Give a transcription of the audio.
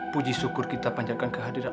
puji syukur kita panjatkan kehadiran